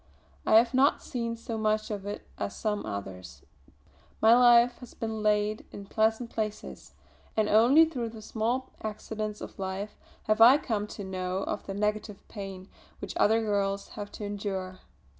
I have not seen so much of it as some others; my life has been laid in pleasant places, and only through the small accidents of life have I come to know of the negative pain which other girls have to endure.